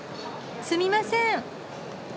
すみません。